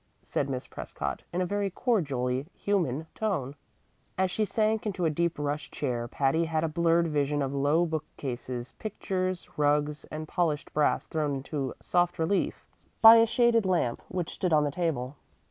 said Miss Prescott, in a very cordially human tone. As she sank into a deep rush chair Patty had a blurred vision of low bookcases, pictures, rugs, and polished brass thrown into soft relief by a shaded lamp which stood on the table.